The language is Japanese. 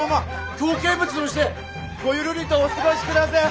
京見物でもしてごゆるりとお過ごしくだせえ。